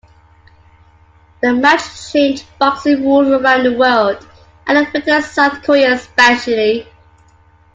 The match changed boxing rules around the world; and affected South Korea especially.